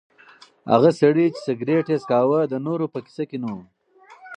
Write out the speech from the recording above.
هغه سړی چې سګرټ یې څکاوه د نورو په کیسه کې نه و.